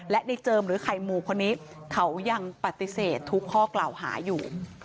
และในเจิมหรือไข่หมู่คนนี้เขายังปฏิเสธทุกข้อกล่าวหาอยู่